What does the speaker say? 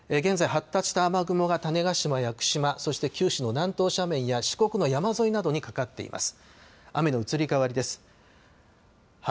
現在発達した雨雲が種子島、屋久島そして九州の南東斜面や四国の山沿いなどにかかっています。